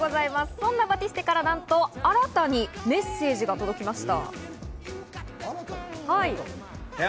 そんなバティステからなんと新たにメッセージが届きました。